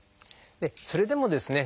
それでもですね